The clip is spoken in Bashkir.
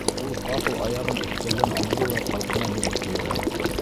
Ул ҡапыл аяғын өҫтәлдән алды ла ҡалҡына биреп ҡуйҙы.